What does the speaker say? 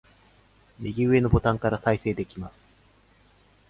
右上のボタンから再生できます